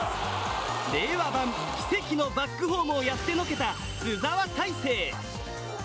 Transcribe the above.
令和版奇跡のバックホームをやってのけた津沢泰成。